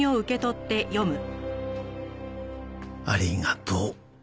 「ありがとう。